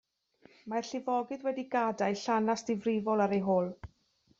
Mae'r llifogydd wedi gadael llanast difrifol ar eu hôl.